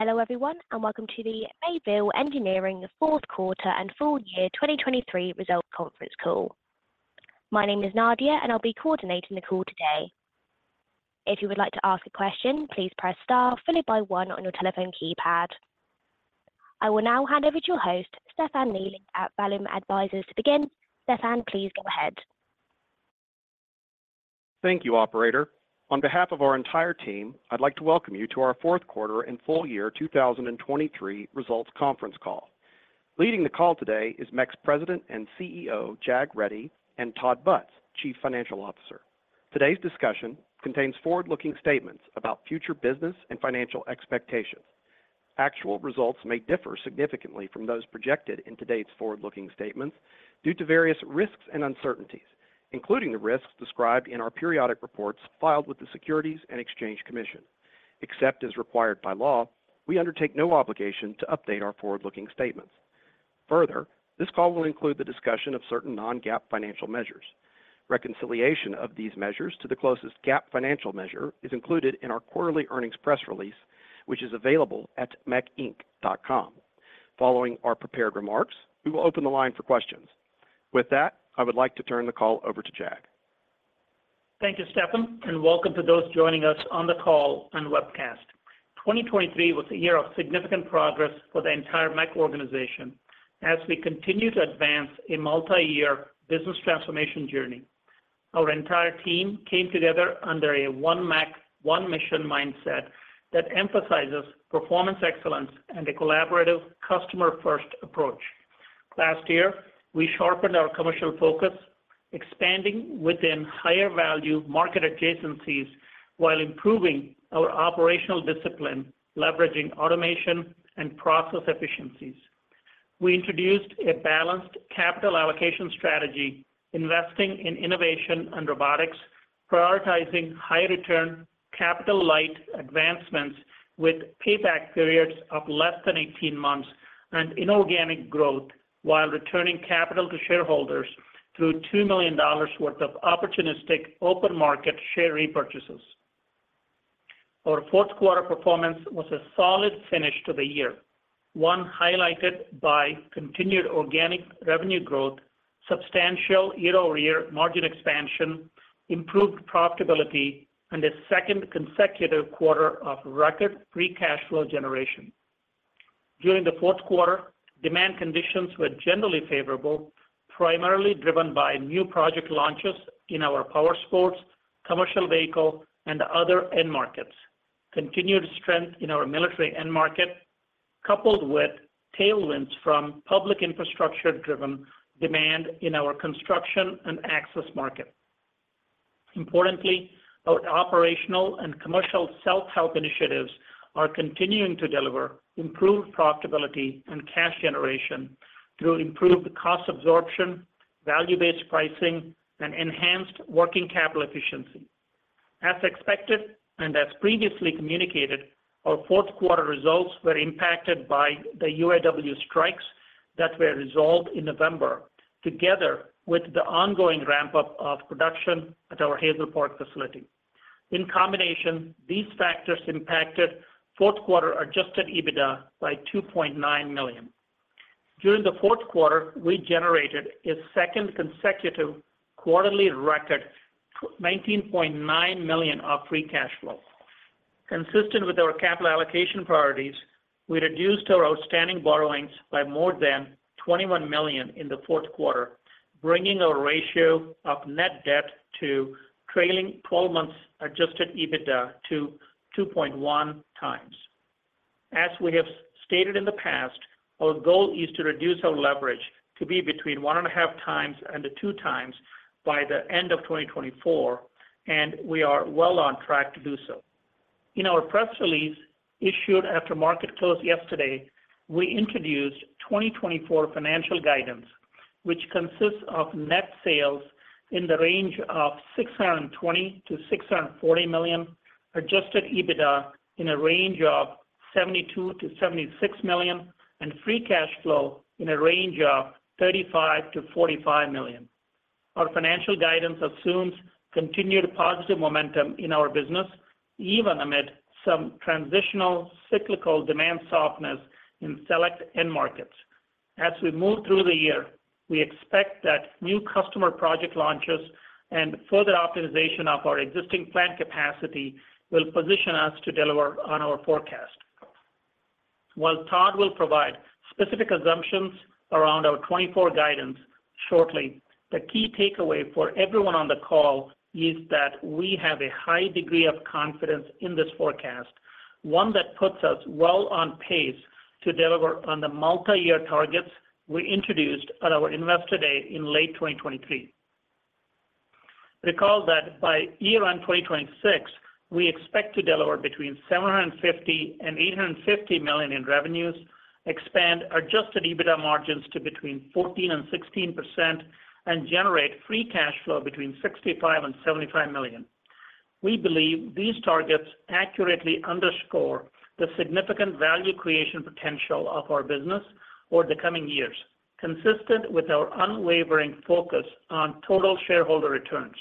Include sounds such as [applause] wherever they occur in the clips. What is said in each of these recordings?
Hello, everyone, and welcome to the Mayville Engineering Fourth Quarter and Full Year 2023 Results Conference Call. My name is Nadia, and I'll be coordinating the call today. If you would like to ask a question, please press Star followed by one on your telephone keypad. I will now hand over to your host, Stefan Neely, at Vallum Advisors, to begin. Stefan, please go ahead. Thank you, operator. On behalf of our entire team, I'd like to welcome you to our fourth quarter and full year 2023 results conference call. Leading the call today is MEC's President and CEO, Jag Reddy, and Todd Butz, Chief Financial Officer. Today's discussion contains forward-looking statements about future business and financial expectations. Actual results may differ significantly from those projected in today's forward-looking statements due to various risks and uncertainties, including the risks described in our periodic reports filed with the Securities and Exchange Commission. Except as required by law, we undertake no obligation to update our forward-looking statements. Further, this call will include the discussion of certain non-GAAP financial measures. Reconciliation of these measures to the closest GAAP financial measure is included in our quarterly earnings press release, which is available at mecinc.com. Following our prepared remarks, we will open the line for questions. With that, I would like to turn the call over to Jag. Thank you, Stefan, and welcome to those joining us on the call and webcast. 2023 was a year of significant progress for the entire MEC organization as we continue to advance a multi-year business transformation journey. Our entire team came together under a one MEC, one mission mindset that emphasizes performance excellence and a collaborative customer-first approach. Last year, we sharpened our commercial focus, expanding within higher value market adjacencies while improving our operational discipline, leveraging automation and process efficiencies. We introduced a balanced capital allocation strategy, investing in innovation and robotics, prioritizing high return, capital-light advancements with payback periods of less than 18 months and inorganic growth, while returning capital to shareholders through $2 million worth of opportunistic open market share repurchases. Our fourth quarter performance was a solid finish to the year, one highlighted by continued organic revenue growth, substantial year-over-year margin expansion, improved profitability, and a second consecutive quarter of record Free Cash Flow generation. During the fourth quarter, demand conditions were generally favorable, primarily driven by new project launches in our powersports, commercial vehicle, and other end markets. Continued strength in our military end market, coupled with tailwinds from public infrastructure-driven demand in our construction and access market. Importantly, our operational and commercial self-help initiatives are continuing to deliver improved profitability and cash generation through improved cost absorption, value-based pricing, and enhanced working capital efficiency. As expected and as previously communicated, our fourth quarter results were impacted by the UAW strikes that were resolved in November, together with the ongoing ramp-up of production at our Hazel Park facility. In combination, these factors impacted fourth quarter Adjusted EBITDA by $2.9 million. During the fourth quarter, we generated a second consecutive quarterly record, $19.9 million of Free Cash Flow. Consistent with our capital allocation priorities, we reduced our outstanding borrowings by more than $21 million in the fourth quarter, bringing our ratio of net debt to trailing twelve months Adjusted EBITDA to 2.1 times. As we have stated in the past, our goal is to reduce our leverage to be between 1.5x and 2x by the end of 2024, and we are well on track to do so. In our press release, issued after market close yesterday, we introduced 2024 financial guidance, which consists of net sales in the range of $620 million-$640 million, Adjusted EBITDA in a range of $72 million-$76 million, and Free Cash Flow in a range of $35 million-$45 million. Our financial guidance assumes continued positive momentum in our business, even amid some transitional cyclical demand softness in select end markets. As we move through the year, we expect that new customer project launches and further optimization of our existing plant capacity will position us to deliver on our forecast. While Todd will provide specific assumptions around our 2024 guidance shortly, the key takeaway for everyone on the call is that we have a high degree of confidence in this forecast, one that puts us well on pace to deliver on the multi-year targets we introduced at our Investor Day in late 2023. Recall that by year-end 2026, we expect to deliver between $750 million and $850 million in revenues, expand Adjusted EBITDA margins to between 14%-16%, and generate Free Cash Flow between $65 million and $75 million. We believe these targets accurately underscore the significant value creation potential of our business over the coming years, consistent with our unwavering focus on total shareholder returns....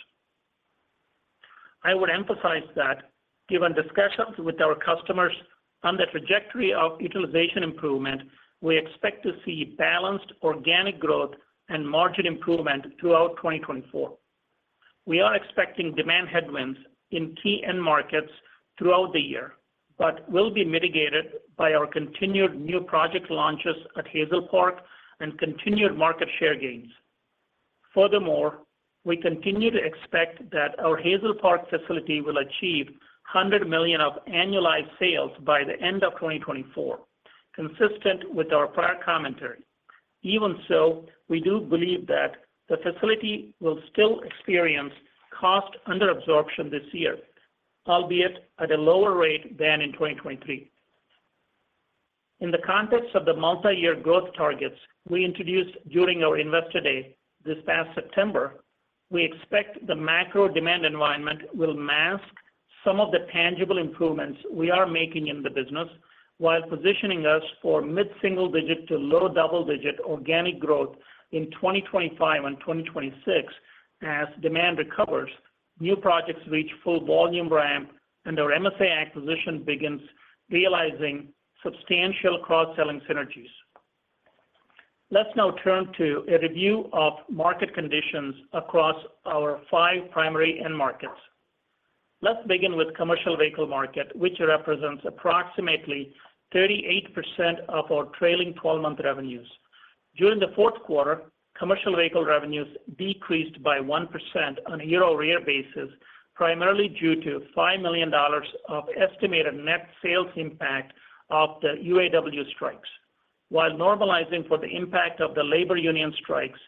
I would emphasize that given discussions with our customers on the trajectory of utilization improvement, we expect to see balanced organic growth and margin improvement throughout 2024. We are expecting demand headwinds in key end markets throughout the year, but will be mitigated by our continued new project launches at Hazel Park and continued market share gains. Furthermore, we continue to expect that our Hazel Park facility will achieve $100 million of annualized sales by the end of 2024, consistent with our prior commentary. Even so, we do believe that the facility will still experience cost under absorption this year, albeit at a lower rate than in 2023. In the context of the multi-year growth targets we introduced during our Investor Day this past September, we expect the MECro demand environment will mask some of the tangible improvements we are making in the business, while positioning us for mid-single digit to low double-digit organic growth in 2025 and 2026 as demand recovers, new projects reach full volume ramp, and our MSA acquisition begins realizing substantial cross-selling synergies. Let's now turn to a review of market conditions across our five primary end markets. Let's begin with commercial vehicle market, which represents approximately 38% of our trailing twelve-month revenues. During the fourth quarter, commercial vehicle revenues decreased by 1% on a year-over-year basis, primarily due to $5 million of estimated net sales impact of the UAW strikes. While normalizing for the impact of the labor union strikes,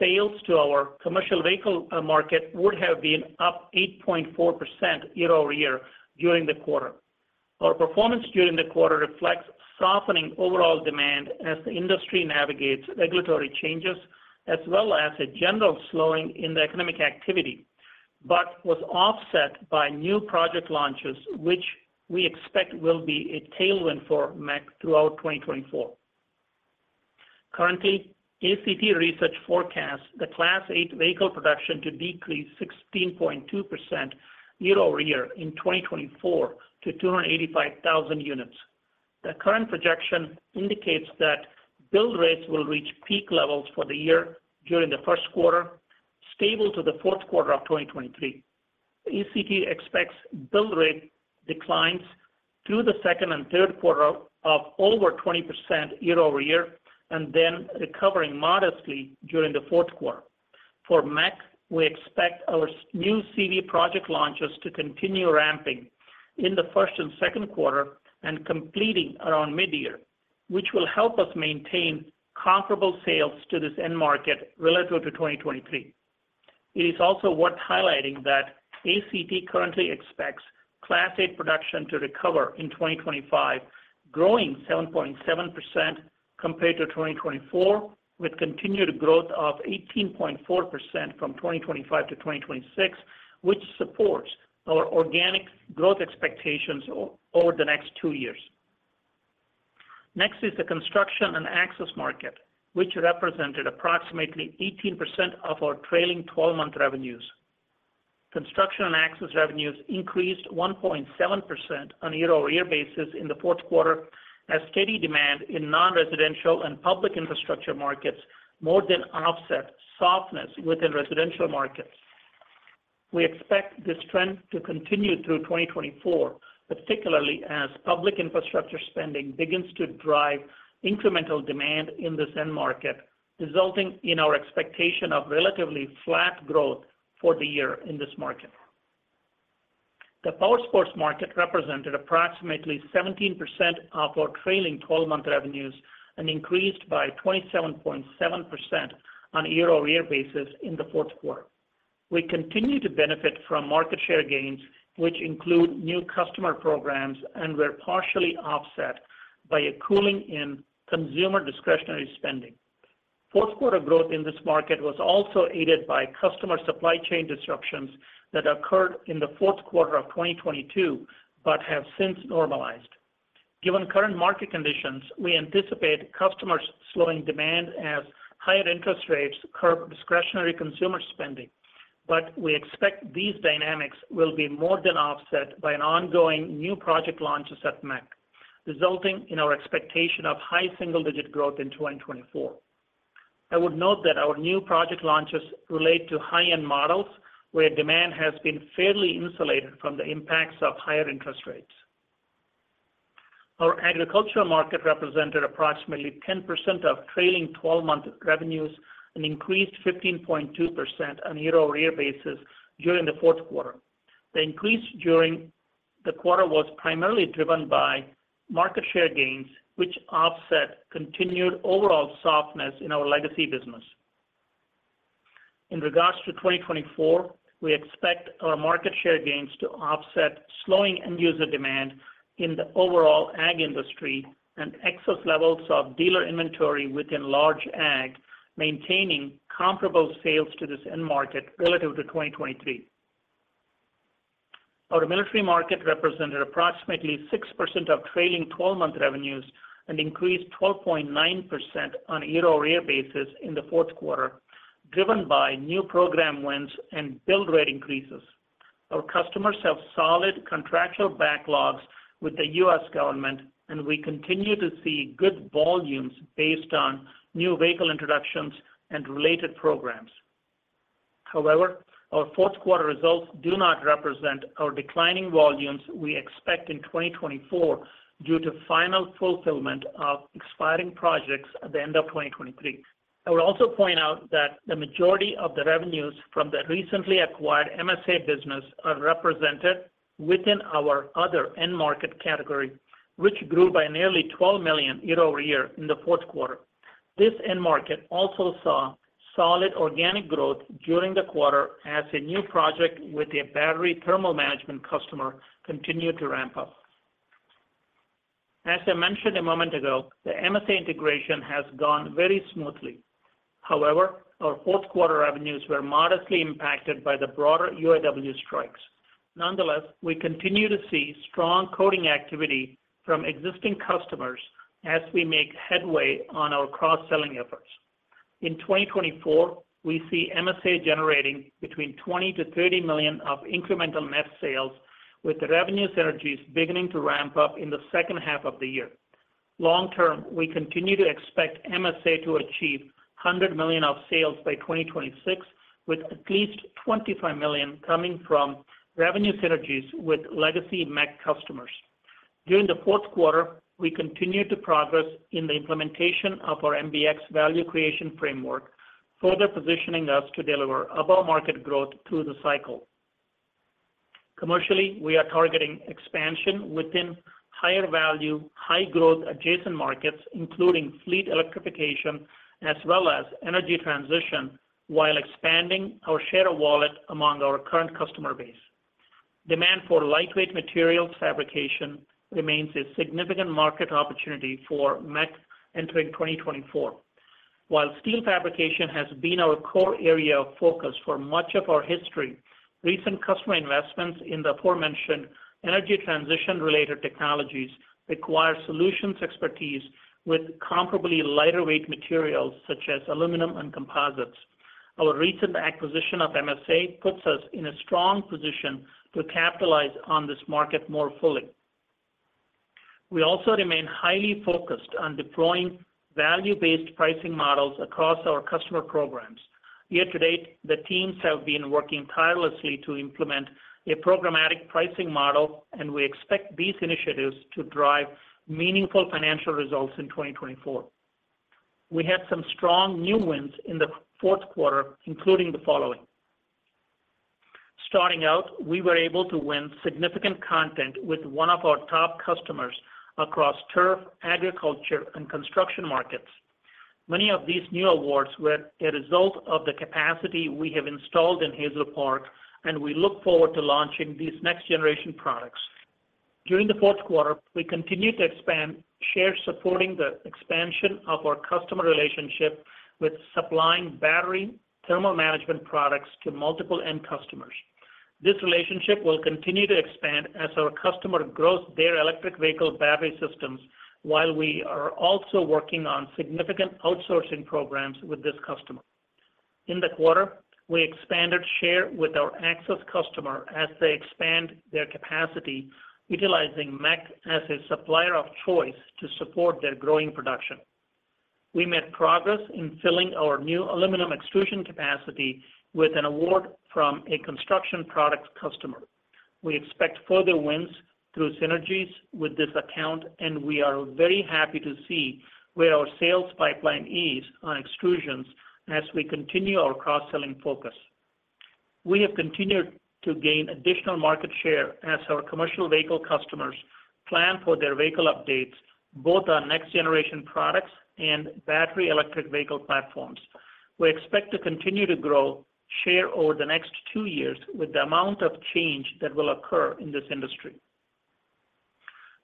sales to our commercial vehicle market would have been up 8.4% year-over-year during the quarter. Our performance during the quarter reflects softening overall demand as the industry navigates regulatory changes, as well as a general slowing in the economic activity, but was offset by new project launches, which we expect will be a tailwind for MEC throughout 2024. Currently, ACT Research forecasts the Class 8 vehicle production to decrease 16.2% year-over-year in 2024 to 285,000 units. The current projection indicates that build rates will reach peak levels for the year during the first quarter, stable to the fourth quarter of 2023. ACT expects build rate declines through the second and third quarter of over 20% year-over-year, and then recovering modestly during the fourth quarter. For MEC, we expect our new CV project launches to continue ramping in the first and second quarter and completing around mid-year, which will help us maintain comparable sales to this end market relative to 2023. It is also worth highlighting that ACT currently expects Class 8 production to recover in 2025, growing 7.7% compared to 2024, with continued growth of 18.4% from 2025 to 2026, which supports our organic growth expectations over the next two years. Next is the construction and access market, which represented approximately 18% of our trailing twelve-month revenues. Construction and access revenues increased 1.7% on a year-over-year basis in the fourth quarter, as steady demand in non-residential and public infrastructure markets more than offset softness within residential markets. We expect this trend to continue through 2024, particularly as public infrastructure spending begins to drive incremental demand in this end market, resulting in our expectation of relatively flat growth for the year in this market. The powersports market represented approximately 17% of our trailing twelve-month revenues and increased by 27.7% on a year-over-year basis in the fourth quarter. We continue to benefit from market share gains, which include new customer programs and were partially offset by a cooling in consumer discretionary spending. Fourth quarter growth in this market was also aided by customer supply chain disruptions that occurred in the fourth quarter of 2022, but have since normalized. Given current market conditions, we anticipate customers slowing demand as higher interest rates curb discretionary consumer spending, but we expect these dynamics will be more than offset by an ongoing new project launches at MEC, resulting in our expectation of high single-digit growth in 2024. I would note that our new project launches relate to high-end models, where demand has been fairly insulated from the impacts of higher interest rates. Our agricultural market represented approximately 10% of trailing twelve-month revenues and increased 15.2% on a year-over-year basis during the fourth quarter. The increase during the quarter was primarily driven by market share gains, which offset continued overall softness in our legacy business. In regards to 2024, we expect our market share gains to offset slowing end user demand in the overall ag industry and excess levels of dealer inventory within large ag, maintaining comparable sales to this end market relative to 2023. Our military market represented approximately 6% of trailing twelve-month revenues and increased 12.9% on a year-over-year basis in the fourth quarter, driven by new program wins and build rate increases. Our customers have solid contractual backlogs with the U.S. government, and we continue to see good volumes based on new vehicle introductions and related programs. However, our fourth quarter results do not represent our declining volumes we expect in 2024 due to final fulfillment of expiring projects at the end of 2023. I would also point out that the majority of the revenues from the recently acquired MSA business are represented within our other end market category, which grew by nearly $12 million year-over-year in the fourth quarter. This end market also saw solid organic growth during the quarter as a new project with a battery thermal management customer continued to ramp up. As I mentioned a moment ago, the MSA integration has gone very smoothly. However, our fourth quarter revenues were modestly impacted by the broader UAW strikes. Nonetheless, we continue to see strong coating activity from existing customers as we make headway on our cross-selling efforts. In 2024, we see MSA generating between $20 million-$30 million of incremental net sales, with the revenue synergies beginning to ramp up in the second half of the year. Long-term, we continue to expect MSA to achieve $100 million in sales by 2026, with at least $25 million coming from revenue synergies with legacy MEC customers. During the fourth quarter, we continued to progress in the implementation of our MBX value creation framework, further positioning us to deliver above-market growth through the cycle. Commercially, we are targeting expansion within higher-value, high-growth adjacent markets, including fleet electrification as well as energy transition, while expanding our share of wallet among our current customer base. Demand for lightweight material fabrication remains a significant market opportunity for MEC entering 2024. While steel fabrication has been our core area of focus for much of our history, recent customer investments in the aforementioned energy transition-related technologies require solutions expertise with comparably lighter-weight materials such as aluminum and composites. Our recent acquisition of MSA puts us in a strong position to capitalize on this market more fully. We also remain highly focused on deploying value-based pricing models across our customer programs. Year to date, the teams have been working tirelessly to implement a programmatic pricing model, and we expect these initiatives to drive meaningful financial results in 2024. We had some strong new wins in the fourth quarter, including the following. Starting out, we were able to win significant content with one of our top customers across turf, agriculture, and construction markets. Many of these new awards were a result of the capacity we have installed in Hazel Park, and we look forward to launching these next generation products. During the fourth quarter, we continued to expand, share, supporting the expansion of our customer relationship with supplying battery thermal management products to multiple end customers. This relationship will continue to expand as our customer grows their electric vehicle battery systems, while we are also working on significant outsourcing programs with this customer. In the quarter, we expanded share with our access customer as they expand their capacity, utilizing MEC as a supplier of choice to support their growing production. We made progress in filling our new aluminum extrusion capacity with an award from a construction product customer. We expect further wins through synergies with this account, and we are very happy to see where our sales pipeline is on extrusions as we continue our cross-selling focus. We have continued to gain additional market share as our commercial vehicle customers plan for their vehicle updates, both on next generation products and battery electric vehicle platforms. We expect to continue to grow share over the next two years with the amount of change that will occur in this industry.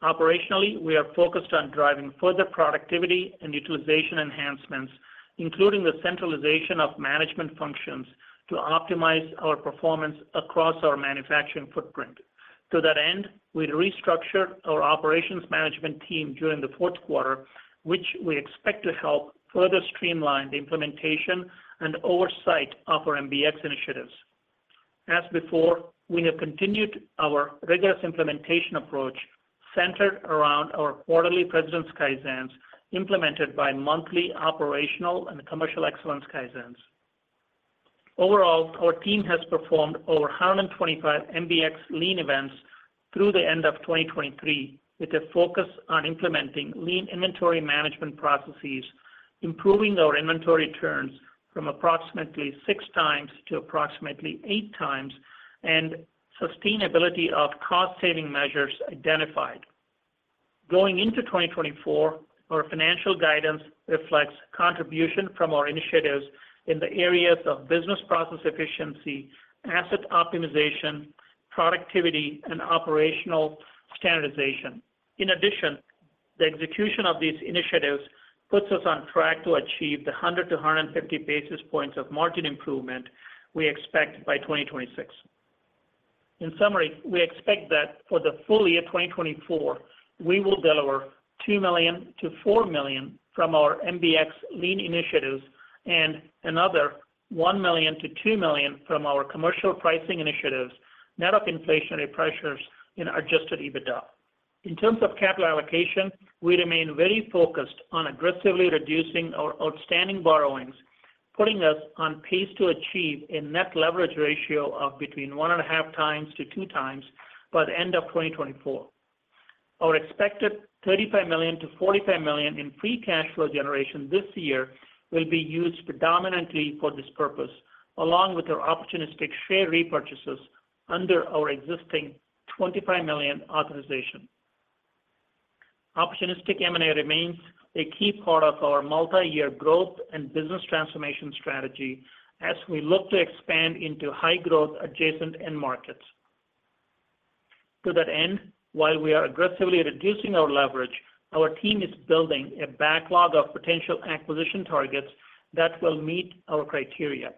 Operationally, we are focused on driving further productivity and utilization enhancements, including the centralization of management functions, to optimize our performance across our manufacturing footprint. To that end, we restructured our operations management team during the fourth quarter, which we expect to help further streamline the implementation and oversight of our MBX initiatives. As before, we have continued our rigorous implementation approach centered around our quarterly President's Kaizens, implemented by monthly operational and commercial excellence Kaizens. Overall, our team has performed over 125 MBX lean events through the end of 2023, with a focus on implementing lean inventory management processes, improving our inventory turns from approximately six times to approximately eight times, and sustainability of cost-saving measures identified. Going into 2024, our financial guidance reflects contribution from our initiatives in the areas of business process efficiency, asset optimization, productivity, and operational standardization. In addition, the execution of these initiatives puts us on track to achieve the 100-150 basis points of margin improvement we expect by 2026. In summary, we expect that for the full year 2024, we will deliver $2 million-$4 million from our MBX lean initiatives, and another $1 million-$2 million from our commercial pricing initiatives, net of inflationary pressures in Adjusted EBITDA. In terms of capital allocation, we remain very focused on aggressively reducing our outstanding borrowings, putting us on pace to achieve a net leverage ratio of between 1.5x and 2x by the end of 2024. Our expected $35 million-$45 million in free cash flow generation this year will be used predominantly for this purpose, along with our opportunistic share repurchases under our existing $25 million authorization. Opportunistic M&A remains a key part of our multi-year growth and business transformation strategy as we look to expand into high growth adjacent end markets. To that end, while we are aggressively reducing our leverage, our team is building a backlog of potential acquisition targets that will meet our criteria.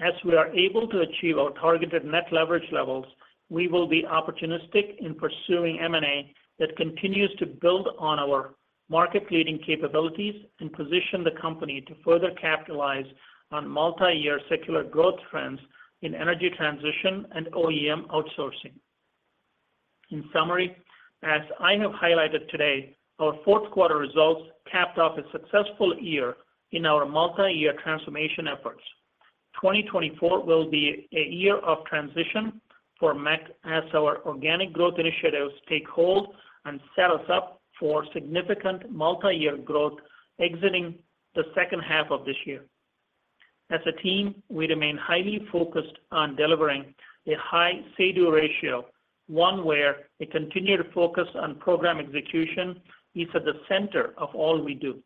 As we are able to achieve our targeted net leverage levels, we will be opportunistic in pursuing M&A that continues to build on our market-leading capabilities and position the company to further capitalize on multi-year secular growth trends in energy transition and OEM outsourcing. In summary, as I have highlighted today, our fourth quarter results capped off a successful year in our multi-year transformation efforts. 2024 will be a year of transition for MEC as our organic growth initiatives take hold and set us up for significant multi-year growth exiting the second half of this year. As a team, we remain highly focused on delivering a high Say-Do ratio, one where a continued focus on program execution is at the center of all we do.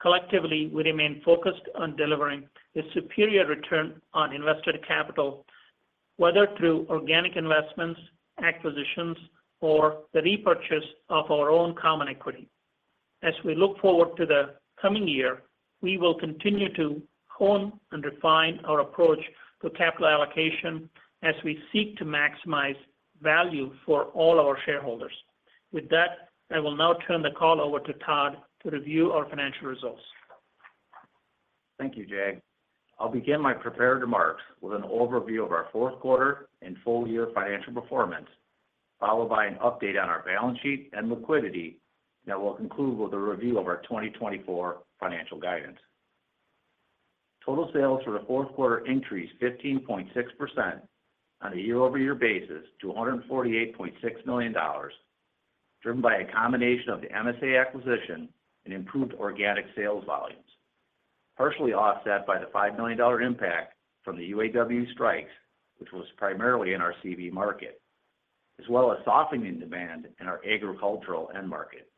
Collectively, we remain focused on delivering a superior return on invested capital, whether through organic investments, acquisitions, or the repurchase of our own common equity. As we look forward to the coming year, we will continue to hone and refine our approach to capital allocation as we seek to maximize value for all our shareholders. With that, I will now turn the call over to Todd to review our financial results. Thank you, Jag. I'll begin my prepared remarks with an overview of our fourth quarter and full year financial performance, followed by an update on our balance sheet and liquidity, and I will conclude with a review of our 2024 financial guidance. Total sales for the fourth quarter increased 15.6% on a year-over-year basis to $148.6 million, driven by a combination of the MSA acquisition and improved organic sales volumes, partially offset by the $5 million impact from the UAW strikes, which was primarily in our CV market, as well as softening demand in our agricultural end market.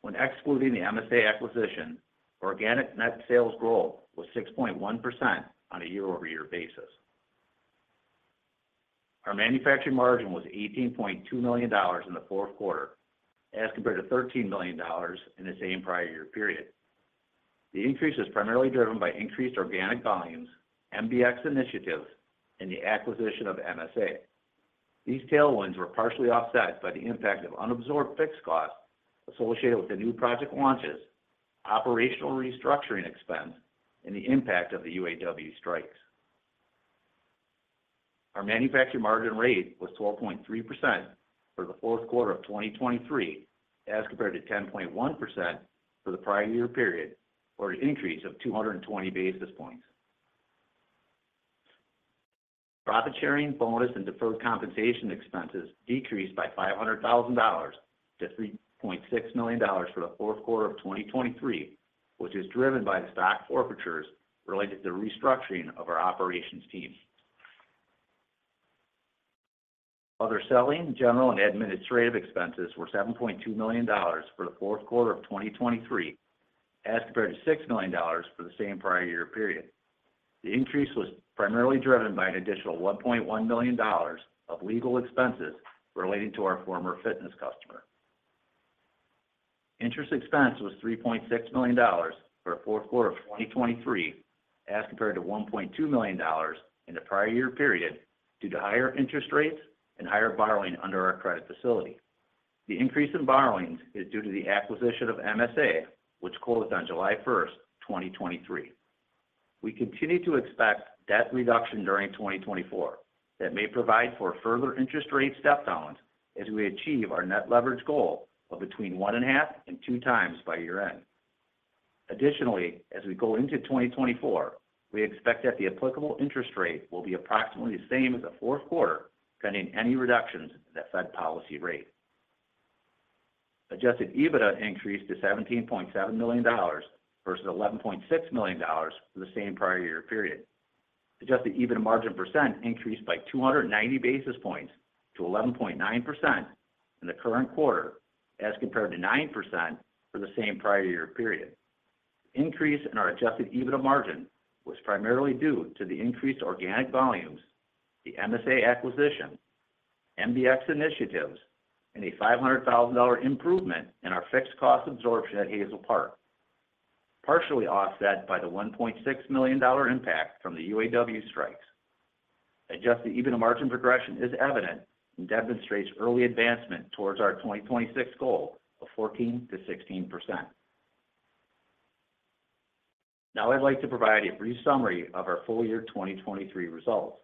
When excluding the MSA acquisition, organic net sales growth was 6.1% on a year-over-year basis. Our manufacturing margin was $18.2 million in the fourth quarter, as compared to $13 million in the same prior year period. The increase was primarily driven by increased organic volumes, MBX initiatives, and the acquisition of MSA. These tailwinds were partially offset by the impact of unabsorbed fixed costs associated with the new project launches, operational restructuring expense, and the impact of the UAW strikes. Our manufacturing margin rate was 12.3% for the fourth quarter of 2023, as compared to 10.1% for the prior year period, or an increase of 220 basis points. Profit sharing, bonus, and deferred compensation expenses decreased by $500,000 to $3.6 million for the fourth quarter of 2023, which is driven by the stock forfeitures related to the restructuring of our operations team. Other selling, general, and administrative expenses were $7.2 million for the fourth quarter of 2023, as compared to $6 million for the same prior year period. The increase was primarily driven by an additional $1.1 million of legal expenses relating to our former fitness customer. Interest expense was $3.6 million for the fourth quarter of 2023, as compared to $1.2 million in the prior year period, due to higher interest rates and higher borrowing under our credit facility. The increase in borrowings is due to the acquisition of MSA, which closed on July 1, 2023. We continue to expect debt reduction during 2024 that may provide for further interest rate step downs as we achieve our net leverage goal of between 1.5 and 2 times by year-end. Additionally, as we go into 2024, we expect that the applicable interest rate will be approximately the same as the fourth quarter, pending any reductions in the Fed policy rate. Adjusted EBITDA increased to $17.7 million versus $11.6 million for the same prior year period. Adjusted EBITDA margin percent increased by 290 basis points to 11.9% in the current quarter, as compared to 9% for the same prior year period. Increase in our adjusted EBITDA margin was primarily due to the increased organic volumes, the MSA acquisition, MBX initiatives, and a $0.5 million improvement in our fixed cost absorption at Hazel Park, partially offset by the $1.6 million impact from the UAW strikes. Adjusted EBITDA margin progression is evident and demonstrates early advancement towards our 2026 goal of 14%-16%. Now, I'd like to provide a brief summary of our full year 2023 results.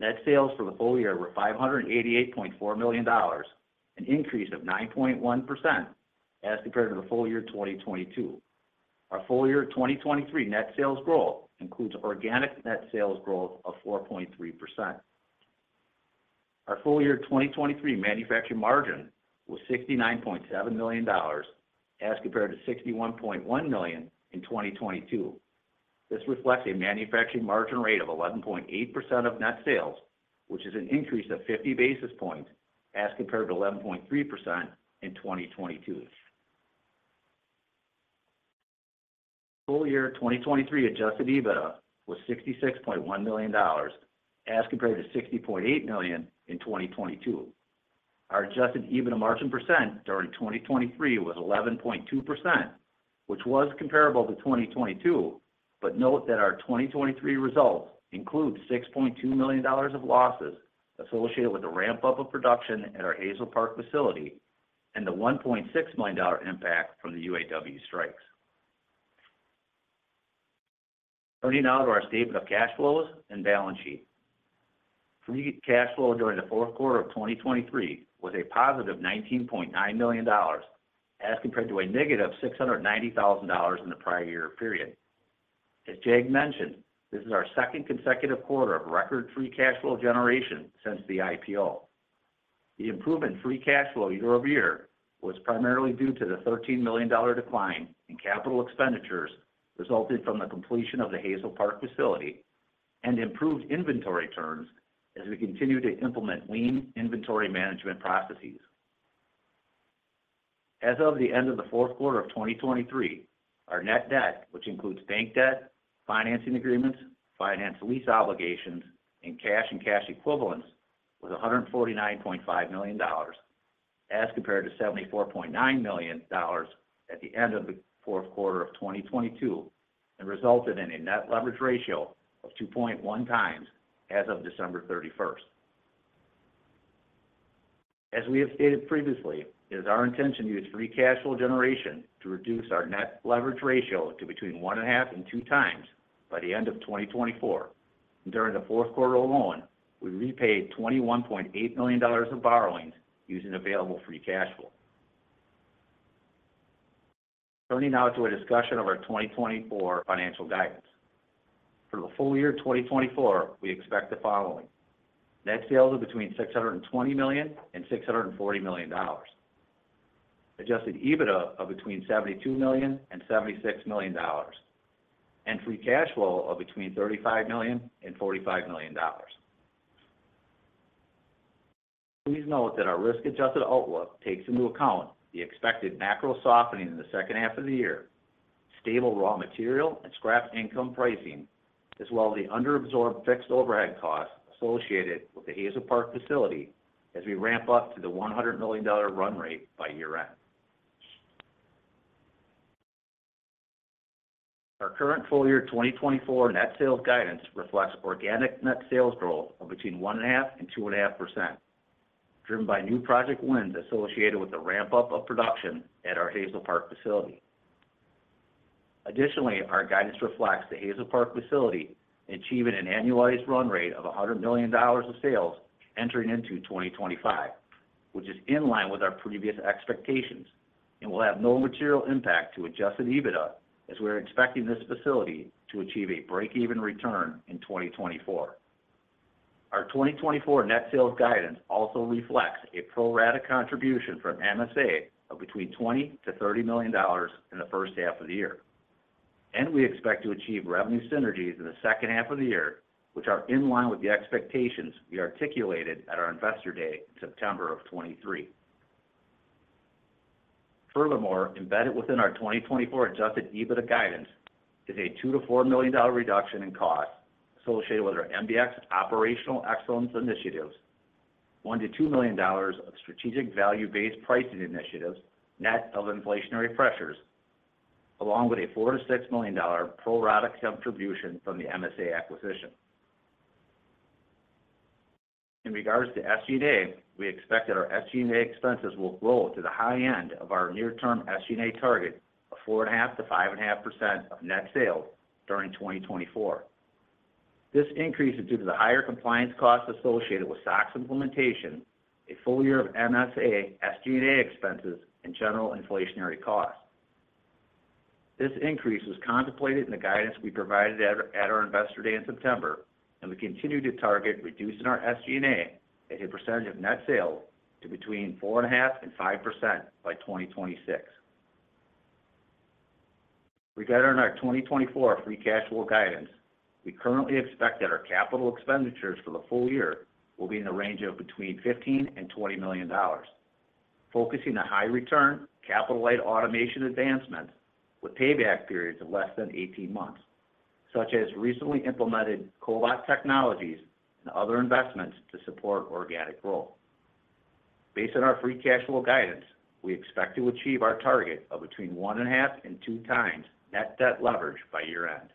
Net sales for the full year were $588.4 million, an increase of 9.1% as compared to the full year 2022. Our full year 2023 net sales growth includes organic net sales growth of 4.3%. Our full year 2023 manufacturing margin was $69.7 million, as compared to $61.1 million in 2022. This reflects a manufacturing margin rate of 11.8% of net sales, which is an increase of 50 basis points as compared to 11.3% in 2022. Full year 2023 Adjusted EBITDA was $66.1 million, as compared to $60.8 million in 2022. Our Adjusted EBITDA margin percent during 2023 was 11.2%, which was comparable to 2022, but note that our 2023 results include $6.2 million of losses associated with the ramp-up of production at our Hazel Park facility and the $1.6 million dollar impact from the UAW strikes. Turning now to our statement of cash flows and balance sheet. Free cash flow during the fourth quarter of 2023 was a positive $19.9 million, as compared to a negative $690,000 in the prior year period. As Jag mentioned, this is our second consecutive quarter of record free cash flow generation since the IPO. The improvement in free cash flow year-over-year was primarily due to the $13 million decline in capital expenditures, resulting from the completion of the Hazel Park facility and improved inventory turns as we continue to implement lean inventory management processes. As of the end of the fourth quarter of 2023, our net debt, which includes bank debt, financing agreements, finance lease obligations, and cash and cash equivalents, was $149.5 million, as compared to $74.9 million at the end of the fourth quarter of 2022, and resulted in a net leverage ratio of 2.1 times as of December thirty-first. As we have stated previously, it is our intention to use free cash flow generation to reduce our net leverage ratio to between 1.5x and 2x by the end of 2024, and during the fourth quarter alone, we repaid $21.8 million of borrowings using available free cash flow. Turning now to a discussion of our 2024 financial guidance. For the full year 2024, we expect the following: Net sales of between $620 million and $640 million. Adjusted EBITDA of between $72 million and $76 million, and free cash flow of between $35 million and $45 million. Please note that our risk-adjusted outlook takes into account the expected MECro softening in the second half of the year, stable raw material and scrap income pricing, as well as the under absorbed fixed overhead costs associated with the Hazel Park facility as we ramp up to the $100 million run rate by year-end. Our current full year 2024 net sales guidance reflects organic net sales growth of between 1.5% and 2.5%, driven by new project wins associated with the ramp-up of production at our Hazel Park facility. Additionally, our guidance reflects the Hazel Park facility achieving an annualized run rate of $100 million of sales entering into 2025, which is in line with our previous expectations and will have no material impact to Adjusted EBITDA, as we are expecting this facility to achieve a break-even return in 2024. Our 2024 net sales guidance also reflects a pro rata contribution from MSA of between $20 million-$30 million in the first half of the year, and we expect to achieve revenue synergies in the second half of the year, which are in line with the expectations we articulated at our Investor Day in September of 2023. Furthermore, embedded within our 2024 Adjusted EBITDA guidance is a $2 million-$4 million reduction in costs associated with our MBX operational excellence initiatives, $1 million-$2 million of strategic value-based pricing initiatives, net of inflationary pressures, along with a $4 million-$6 million pro rata contribution from the MSA acquisition. In regards to SG&A, we expect that our SG&A expenses will grow to the high end of our near-term SG&A target of 4.5%-5.5% of net sales during 2024. This increase is due to the higher compliance costs associated with SOX implementation, a full year of MSA SG&A expenses, and general inflationary costs. This increase was contemplated in the guidance we provided at our Investor Day in September, and we continue to target reducing our SG&A as a percentage of net sales to between 4.5% and 5% by 2026. Regarding our 2024 free cash flow guidance, we currently expect that our capital expenditures for the full year will be in the range of between $15 million and $20 million, focusing on high return, capital-light automation advancements with payback periods of less than 18 months, such as recently implemented cobot technologies and other investments to support organic growth. Based on our free cash flow guidance, we expect to achieve our target of between 1.5x and 2x net debt leverage by year-end.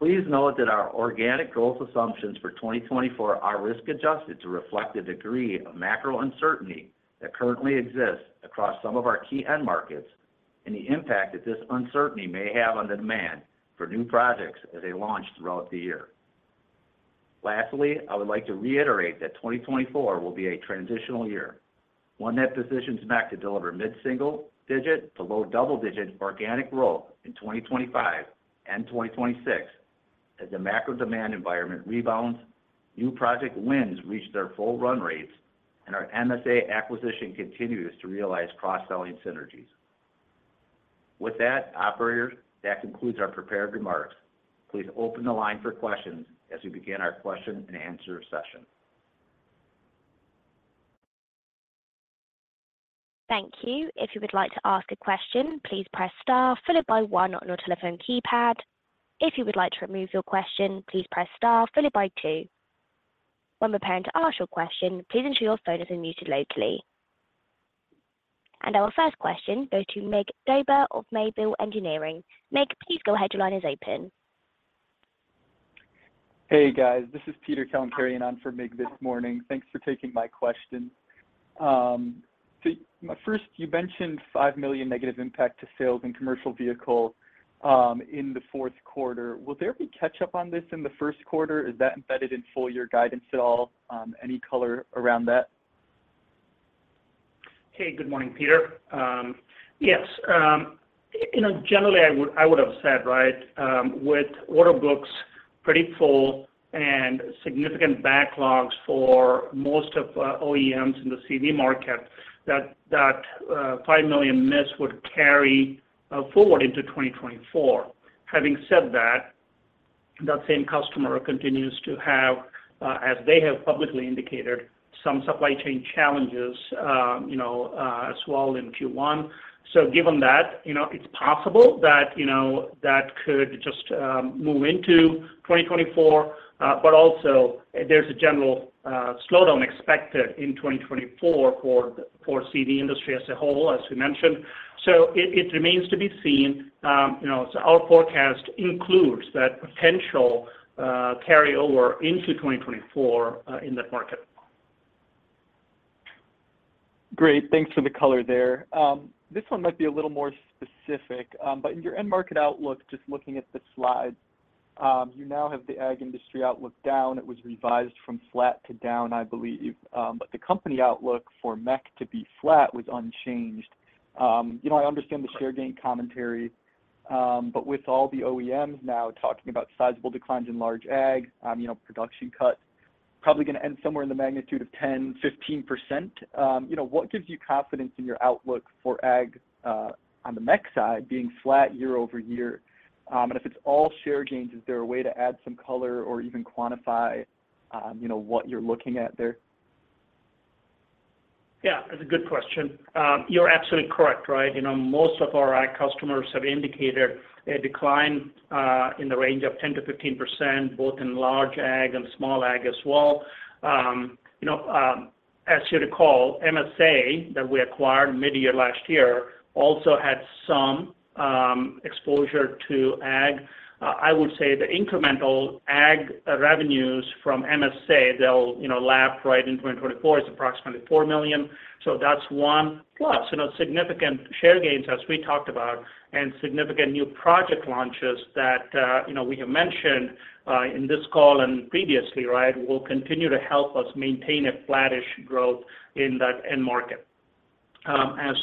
Please note that our organic growth assumptions for 2024 are risk-adjusted to reflect the degree of MECro uncertainty that currently exists across some of our key end markets, and the impact that this uncertainty may have on the demand for new projects as they launch throughout the year. Lastly, I would like to reiterate that 2024 will be a transitional year, one that positions MEC to deliver mid-single digit to low double-digit organic growth in 2025 and 2026, as the MECro demand environment rebounds, new project wins reach their full run rates, and our MSA acquisition continues to realize cross-selling synergies. With that, operator, that concludes our prepared remarks. Please open the line for questions as we begin our question-and-answer session. Thank you. If you would like to ask a question, please press star followed by one on your telephone keypad. If you would like to remove your question, please press star followed by two. When preparing to ask your question, please ensure your phone is unmuted locally. Our first question goes to Mircea (Mig) Dobre of Robert W. Baird & Co. Incorporated. Mig, please go ahead. Your line is open. Hey, guys. This is Peter Kalemkerian, and I'm for Mig this morning. Thanks for taking my question. So my first, you mentioned $5 million negative impact to sales in commercial vehicle, in the fourth quarter. Will there be catch up on this in the first quarter? Is that embedded in full year guidance at all? Any color around that? Hey, good morning, Peter. Yes. You know, generally, I would, I would have said, right, with order books pretty full and significant backlogs for most of, OEMs in the CV market, that, that, $5 million miss would carry, forward into 2024. Having said that, that same customer continues to have, as they have publicly indicated, some supply chain challenges, you know, as well in Q1. So given that, you know, it's possible that, you know, that could just, move into 2024, but also there's a general, slowdown expected in 2024 for, for CV industry as a whole, as we mentioned. So it, it remains to be seen. You know, so our forecast includes that potential, carryover into 2024, in that market. Great. Thanks for the color there. This one might be a little more specific, but in your end market outlook, just looking at the slides, you now have the ag industry outlook down. It was revised from flat to down, I believe, but the company outlook for MEC to be flat was unchanged. You know, I understand the share gain commentary, but with all the OEMs now talking about sizable declines in large ag, you know, production cuts probably going to end somewhere in the magnitude of 10%-15%. You know, what gives you confidence in your outlook for ag, on the MEC side, being flat year-over-year? If it's all share gains, is there a way to add some color or even quantify, you know, what you're looking at there? Yeah, that's a good question. You're absolutely correct, right? You know, most of our ag customers have indicated a decline in the range of 10%-15%, both in large ag and small ag as well. You know, as you recall, MSA, that we acquired mid-year last year, also had some exposure to ag. I would say the incremental ag revenues from MSA, they'll, you know, lap right in 2024, is approximately $4 million. So that's one. Plus, you know, significant share gains, as we talked about, and significant new project launches that, you know, we have mentioned in this call and previously, right, will continue to help us maintain a flattish growth in that end market. As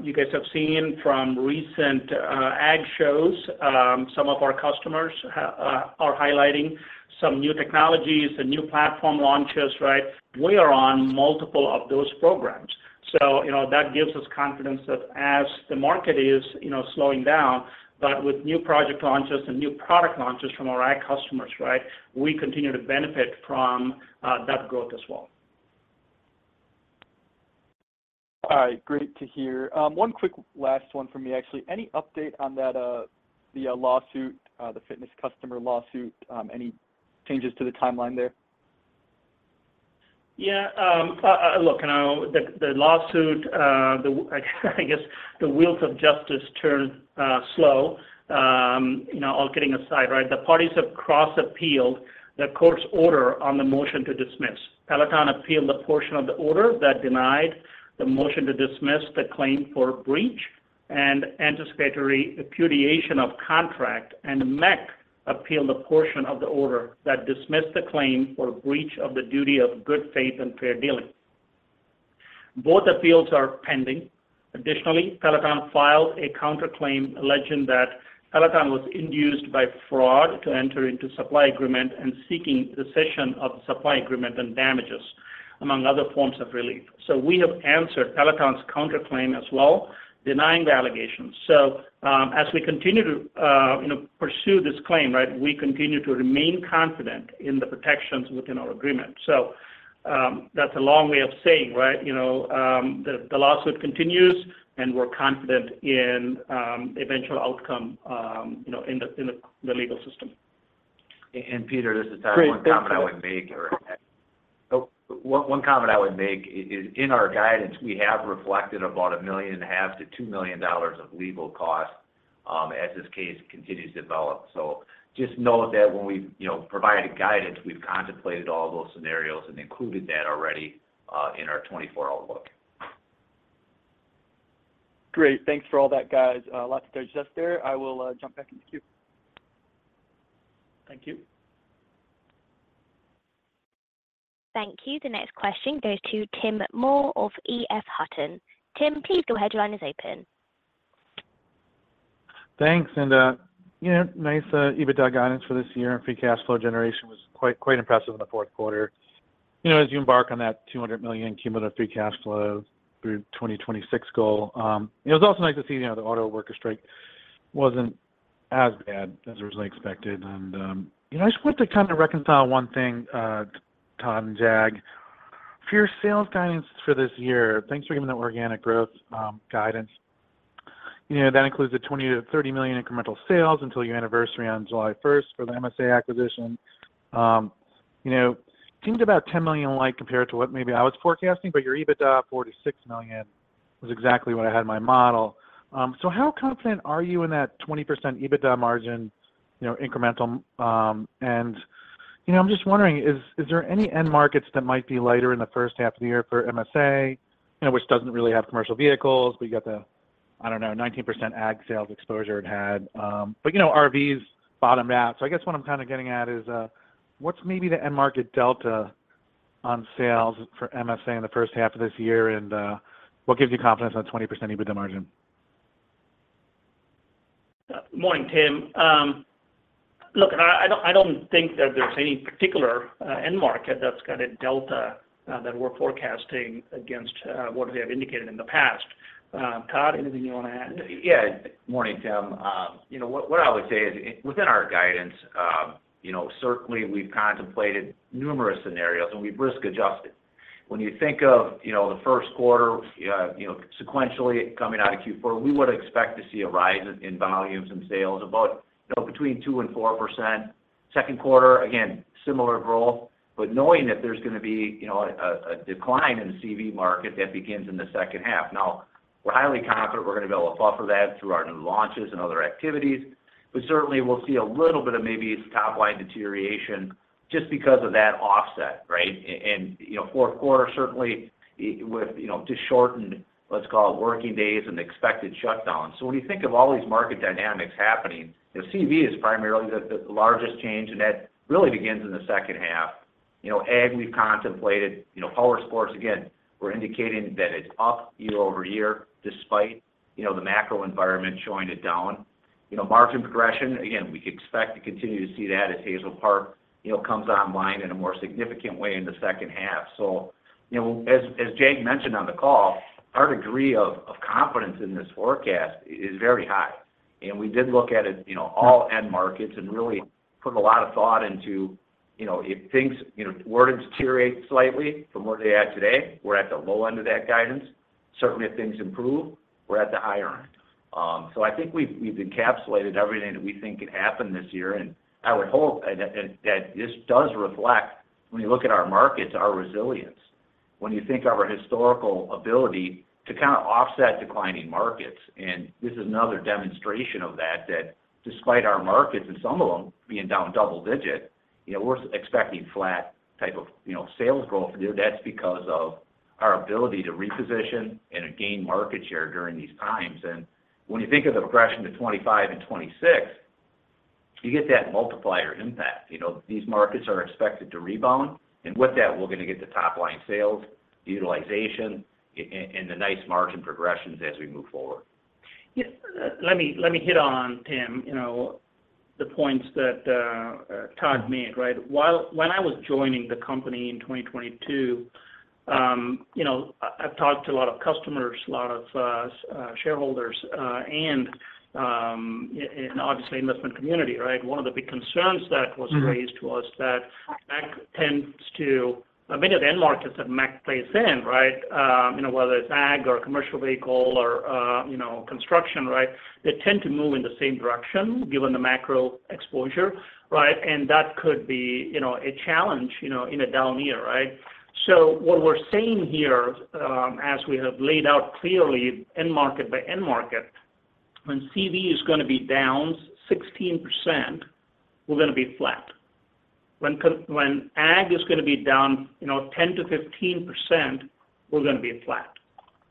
you guys have seen from recent ag shows, some of our customers are highlighting some new technologies and new platform launches, right? We are on multiple of those programs, so you know, that gives us confidence that as the market is you know, slowing down, but with new project launches and new product launches from our ag customers, right, we continue to benefit from that growth as well. All right, great to hear. One quick last one from me, actually. Any update on that lawsuit, the fitness customer lawsuit? Any changes to the timeline there? Yeah, look, you know, the lawsuit, I guess, the wheels of justice turn slow. You know, all kidding aside, right, the parties have cross-appealed the court's order on the motion to dismiss. Peloton appealed the portion of the order that denied the motion to dismiss the claim for breach and anticipatory repudiation of contract, and MEC appealed the portion of the order that dismissed the claim for breach of the duty of good faith and fair dealing. Both appeals are pending. Additionally, Peloton filed a counterclaim, alleging that Peloton was induced by fraud to enter into supply agreement and seeking the rescission of the supply agreement and damages, among other forms of relief. So we have answered Peloton's counterclaim as well, denying the allegations. So, as we continue to, you know, pursue this claim, right, we continue to remain confident in the protections within our agreement. So, that's a long way of saying, right, you know, the lawsuit continues, and we're confident in eventual outcome, you know, in the legal system. Peter, this is Todd. One comment I would make is, in our guidance, we have reflected about $1.5 million-$2 million of legal costs as this case continues to develop. So just know that when we, you know, provide a guidance, we've contemplated all those scenarios and included that already in our 2024 outlook. Great. Thanks for all that, guys. Lots to digest there. I will jump back in the queue. Thank you. Thank you. The next question goes to Tim Moore of EF Hutton. Tim, please go ahead. Line is open. Thanks, and you know, nice EBITDA guidance for this year, and free cash flow generation was quite, quite impressive in the fourth quarter. You know, as you embark on that $200 million cumulative free cash flow through 2026 goal, it was also nice to see, you know, the auto worker strike wasn't as bad as originally expected. And you know, I just wanted to kind of reconcile one thing, Todd and Jag. For your sales guidance for this year, thanks for giving the organic growth guidance. You know, that includes the $20 million-$30 million incremental sales until your anniversary on July 1 for the MSA acquisition. You know, seemed about $10 million light compared to what maybe I was forecasting, but your EBITDA, $4 million-$6 million, was exactly what I had in my model. So how confident are you in that 20% EBITDA margin, you know, incremental. And, you know, I'm just wondering, is there any end markets that might be lighter in the first half of the year for MSA? You know, which doesn't really have commercial vehicles. We got the, I don't know, 19% ag sales exposure it had, but, you know, RVs bottomed out. So I guess what I'm kind of getting at is, what's maybe the end market delta on sales for MSA in the first half of this year, and, what gives you confidence on 20% EBITDA margin? Morning, Tim. Look, I don't think that there's any particular end market that's got a delta that we're forecasting against what we have indicated in the past. Todd, anything you want to add? Yeah. Morning, Tim. You know, what I would say is, within our guidance, you know, certainly we've contemplated numerous scenarios, and we've risk-adjusted. When you think of, you know, the first quarter, you know, sequentially coming out of Q4, we would expect to see a rise in volumes and sales about between 2%-4%. Second quarter, again, similar growth, but knowing that there's gonna be, you know, a, a decline in the CV market that begins in the second half. Now, we're highly confident we're gonna be able to buffer that through our new launches and other activities, but certainly, we'll see a little bit of maybe top-line deterioration just because of that offset, right? And, you know, fourth quarter, certainly, with, you know, just shortened, let's call it, working days and expected shutdowns. So when you think of all these market dynamics happening, the CV is primarily the largest change, and that really begins in the second half. You know, ag, we've contemplated. You know, power sports, again, we're indicating that it's up year over year, despite, you know, the MECro environment showing it down. You know, margin progression, again, we expect to continue to see that as Hazel Park, you know, comes online in a more significant way in the second half. So, you know, as Jag mentioned on the call, our degree of confidence in this forecast is very high, and we did look at it, you know, all end markets and really put a lot of thought into, you know, if things, you know, were to deteriorate slightly from where they're at today, we're at the low end of that guidance. Certainly, if things improve, we're at the higher end. So I think we've encapsulated everything that we think can happen this year, and I would hope that this does reflect, when you look at our markets, our resilience. When you think of our historical ability to kind of offset declining markets, and this is another demonstration of that, that despite our markets and some of them being down double digit, you know, we're expecting flat type of, you know, sales growth. That's because of our ability to reposition and to gain market share during these times. And when you think of the progression to 25 and 26, you get that multiplier impact. You know, these markets are expected to rebound, and with that, we're gonna get the top-line sales, utilization, and the nice margin progressions as we move forward. Yeah. Let me, let me hit on, Tim, you know, the points that Todd made, right? When I was joining the company in 2022, you know, I've talked to a lot of customers, a lot of shareholders, and obviously, investment community, right? One of the big concerns that was raised was that MEC tends to—Many of the end markets that MEC plays in, right, you know, whether it's ag or commercial vehicle or, you know, construction, right? They tend to move in the same direction, given the MECro exposure, right? And that could be, you know, a challenge, you know, in a down year, right? So what we're saying here, as we have laid out clearly, end market by end market, when CV is gonna be down 16%, we're gonna be flat. When ag is gonna be down, you know, 10%-15%, we're gonna be flat,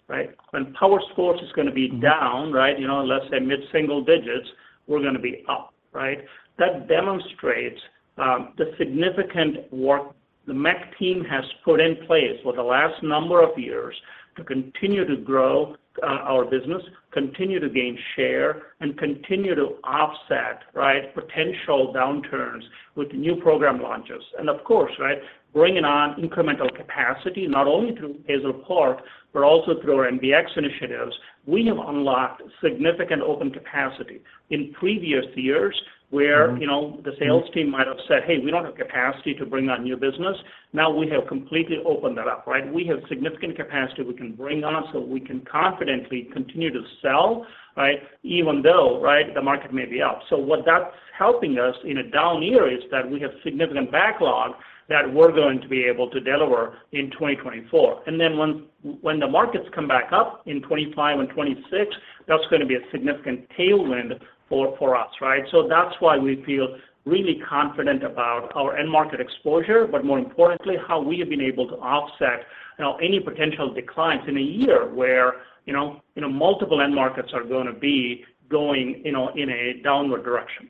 right? When power sports is gonna be down, right, you know, let's say mid-single digits, we're gonna be up, right? That demonstrates the significant work the MEC team has put in place for the last number of years to continue to grow our business, continue to gain share, and continue to offset, right, potential downturns with new program launches. And of course, right, bringing on incremental capacity, not only through Hazel Park, but also through our MBX initiatives. We have unlocked significant open capacity in previous years, where you know, the sales team might have said, "Hey, we don't have capacity to bring on new business." Now we have completely opened that up, right? We have significant capacity we can bring on, so we can confidently continue to sell, right? Even though, right, the market may be up. So what that's helping us in a down year is that we have significant backlog that we're going to be able to deliver in 2024. And then once when the markets come back up in 2025 and 2026, that's gonna be a significant tailwind for, for us, right? So that's why we feel really confident about our end market exposure, but more importantly, how we have been able to offset, you know, any potential declines in a year where, you know, you know, multiple end markets are gonna be going in a downward direction.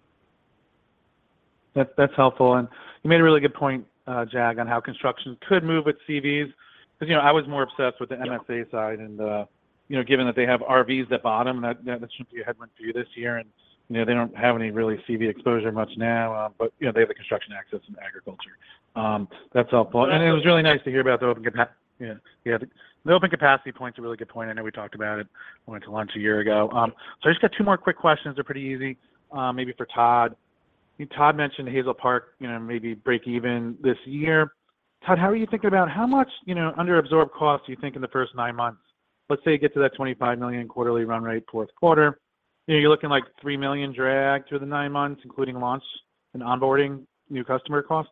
That's helpful, and you made a really good point, Jag, on how construction could move with CVs. Because, you know, I was more obsessed with the MSA side, and, you know, given that they have RVs at the bottom, that should be a headwind for you this year. You know, they don't have any really CV exposure much now, but, you know, they have the construction access and agriculture. That's helpful. It was really nice to hear about the open capacity. Yeah, yeah. The open capacity point's a really good point. I know we talked about it when it went to launch a year ago. So I just got two more quick questions, they're pretty easy, maybe for Todd. Todd mentioned Hazel Park, you know, maybe break even this year. Todd, how are you thinking about how much, you know, under absorbed cost do you think in the first nine months? Let's say you get to that $25 million quarterly run rate, fourth quarter, you know, you're looking like $3 million drag through the nine months, including launch and onboarding new customer costs?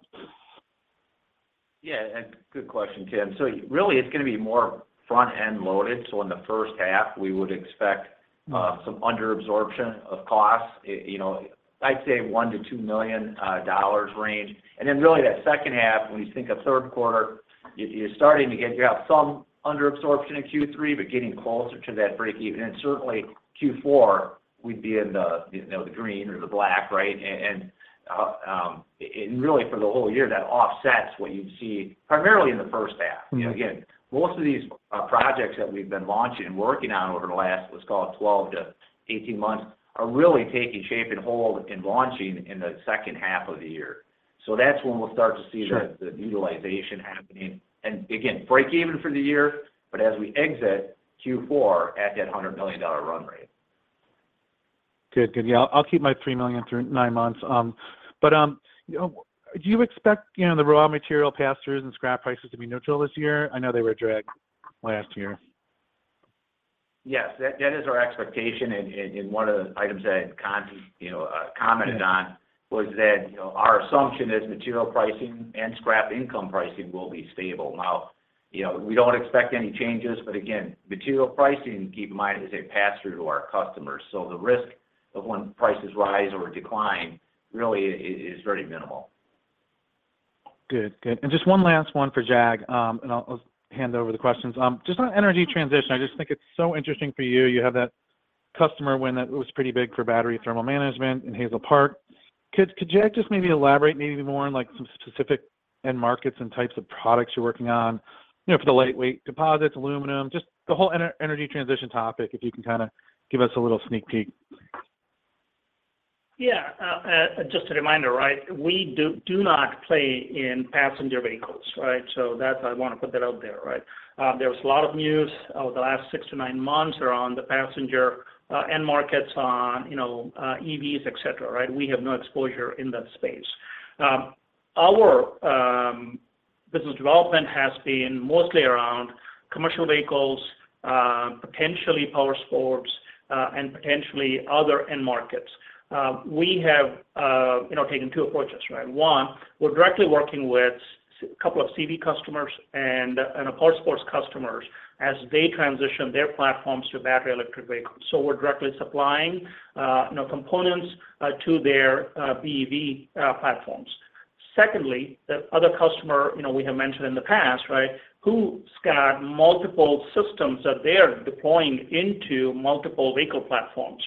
Yeah, and good question, Tim. So really, it's gonna be more front-end loaded. So in the first half, we would expect some under absorption of costs, you know, I'd say $1 million-$2 million range. And then really, that second half, when you think of third quarter, you're starting to get, you have some under absorption in Q3, but getting closer to that break even. And certainly, Q4, we'd be in the, you know, the green or the black, right? And really, for the whole year, that offsets what you'd see primarily in the first half. Mm. You know, again, most of these projects that we've been launching and working on over the last, let's call it 12 months-18 months, are really taking shape and hold in launching in the second half of the year. So that's when we'll start to see- Sure... the utilization happening. And again, break even for the year, but as we exit Q4 at that $100 million run rate. Good. Good. Yeah, I'll keep my $3 million through nine months. But, you know, do you expect, you know, the raw material pass-throughs and scrap prices to be neutral this year? I know they were a drag last year. Yes, that is our expectation, and one of the items that, [inaudible] you know, commented on was that, you know, our assumption is material pricing and scrap income pricing will be stable. Now, you know, we don't expect any changes, but again, material pricing, keep in mind, is a pass-through to our customers. So the risk of when prices rise or decline really is very minimal. Good. Good. And just one last one for Jag, and I'll hand over the questions. Just on energy transition, I just think it's so interesting for you. You have that customer win that was pretty big for battery thermal management in Hazel Park. Could Jag just maybe elaborate maybe more on, like, some specific end markets and types of products you're working on, you know, for the lightweight composites, aluminum, just the whole energy transition topic, if you can kinda give us a little sneak peek? Yeah, just a reminder, right? We do not play in passenger vehicles, right? So that's, I want to put that out there, right. There was a lot of news over the last 6 months-9 months around the passenger end markets on, you know, EVs, et cetera, right? We have no exposure in that space. Our business development has been mostly around commercial vehicles, potentially power sports, and potentially other end markets. We have, you know, taken two approaches, right? One, we're directly working with a couple of CV customers and a power sports customers as they transition their platforms to battery electric vehicles. So we're directly supplying, you know, components to their BEV platforms. Secondly, the other customer, you know, we have mentioned in the past, right, who's got multiple systems that they are deploying into multiple vehicle platforms.